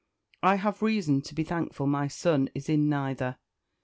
I have reason to be thankful my son is in neither.